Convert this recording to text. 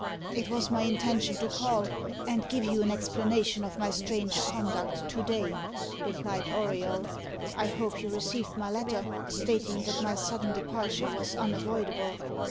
"It was my intention to call, and give you an explanation of my strange conduct, to day," replied Auriol. "I hope you received my letter, stating that my sudden departure was unavoidable."